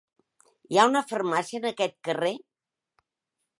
Hi ha una farmàcia en aquest carrer?